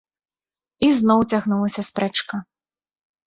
І зноў цягнулася спрэчка.